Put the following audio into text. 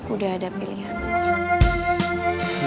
udah ada pilihan